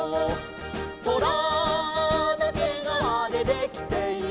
「トラのけがわでできている」